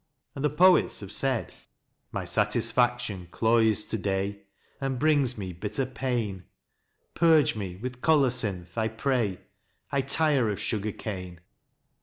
And the poets have said : My satisfaction cloys to day, and brings me bitter pain : Purge me with colocynth, I pray : I tire of sugar cane.